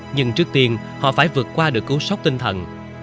nhưng trước tiên họ phải vượt qua được cứu sóc tinh thần